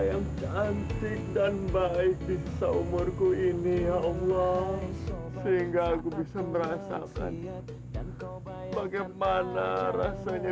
yang cantik dan baik di seumurku ini ya allah sehingga aku bisa merasakannya bagaimana rasanya